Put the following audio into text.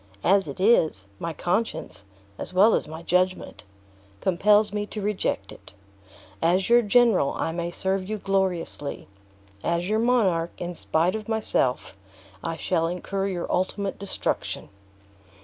As it is, my conscience, as well as my judgment, compels me reject it. As your general, I may serve you gloriously; as your monarch, in spite of myself, I should incur your ultimate destruction."